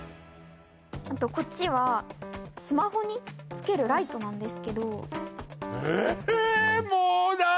あとこっちはスマホにつけるライトなんですけどえ